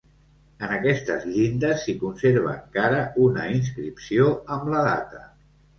En aquestes llindes s'hi conserva encara una inscripció amb la data.